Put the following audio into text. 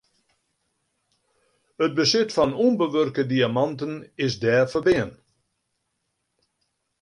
It besit fan ûnbewurke diamanten is dêr ferbean.